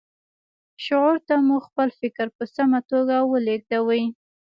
لاشعور ته مو خپل فکر په سمه توګه ولېږدوئ